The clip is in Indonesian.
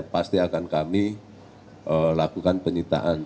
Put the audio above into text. pasti akan kami lakukan penyitaan